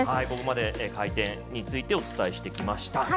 ここまで回転についてお伝えしてきました。